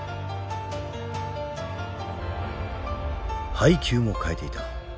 配球も変えていた。